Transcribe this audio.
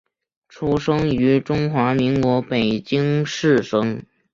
出生于中华民国北京市生。